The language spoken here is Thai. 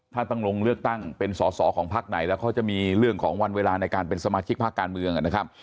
ถ้าต้องลงเลือกตั้งเป็นสอสอของพักไหนแล้วเขาจะมีเรื่องของวันเวลาในการเป็นสมาชิกพักการเมืองนะครับ